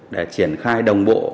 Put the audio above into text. để triển khai đồng bộ